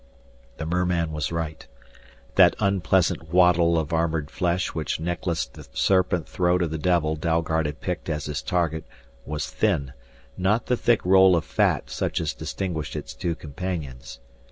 The merman was right. That unpleasant wattle of armored flesh which necklaced the serpent throat of the devil Dalgard had picked as his target was thin, not the thick roll of fat such as distinguished its two companions.